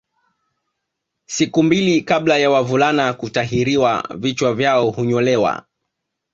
Siku mbili kabla ya wavulana kutahiriwa vichwa vyao hunyolewa